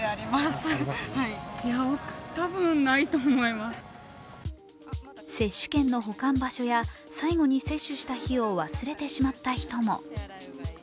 街の人は接種券の保管場所や最後に接種した日を忘れてしまった人も。